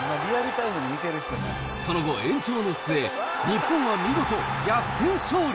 その後、延長の末、日本は見事、逆転勝利。